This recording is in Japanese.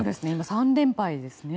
３連敗ですね。